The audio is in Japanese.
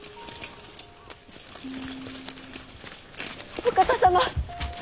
お方様！